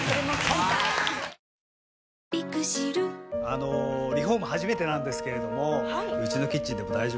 あのリフォーム初めてなんですけれどもはい。